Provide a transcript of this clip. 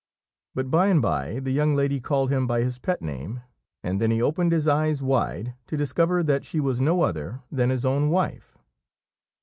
But by and by the young lady called him by his pet name, and then he opened his eyes wide to discover that she was no other than his own wife.